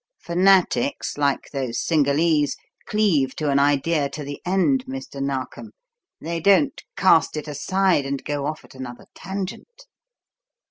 Fanatics, like those Cingalese, cleave to an idea to the end, Mr. Narkom; they don't cast it aside and go off at another tangent.